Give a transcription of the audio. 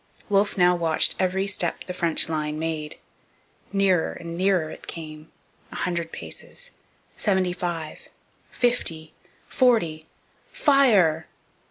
Wolfe now watched every step the French line made. Nearer and nearer it came. A hundred paces! seventy five! fifty! forty!! _Fire!!!